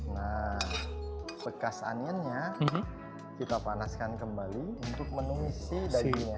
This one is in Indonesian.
nah bekas onionnya kita panaskan kembali untuk menumis si dagingnya